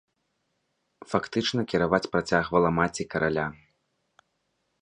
Фактычна кіраваць працягвала маці караля.